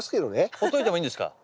ほっといてもいいんですか？